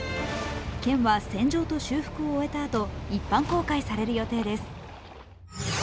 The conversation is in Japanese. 剣は洗浄と修復を終えたあと、一般公開される予定です。